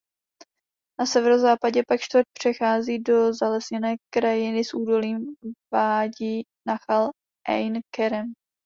Na severozápadě pak čtvrť přechází do zalesněné krajiny s údolím vádí Nachal Ejn Kerem.